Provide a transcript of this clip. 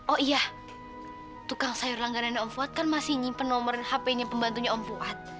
oh iya tukang sayur langganannya om fuad kan masih nyimpen nomor hpnya pembantunya om fuad